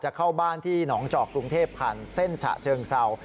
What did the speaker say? เข้าบ้านที่หนองจอกกรุงเทพผ่านเส้นฉะเชิงเศร้า